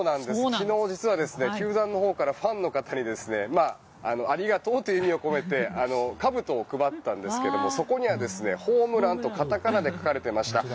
昨日、実は球団のほうからファンの方にありがとうという意味を込めてかぶとを配ったんですけどもそこにはホームランと片仮名で書かれていました。